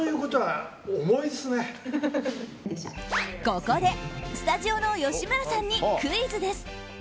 ここでスタジオの吉村さんにクイズです。